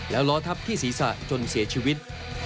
แล้วล้อทับที่ศีรษะจนเสียชีวิต